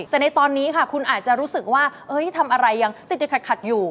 แต่ในตอนนี้ค่ะคุณอาจจะรู้สึกว่าทำอะไรยังติดติดขัดอยู่